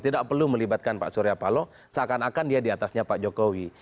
tidak perlu melibatkan pak suryapalo seakan akan dia diatasnya pak jokowi